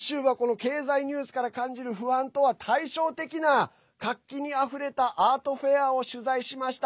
さて、今週はこの経済ニュースから感じる不安とは対照的な活気にあふれたアートフェアを取材しました。